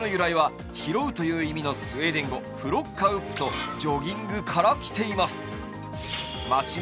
名前の由来は、拾うという意味のスウェーデン語プロッカウップとジョギングから来ています。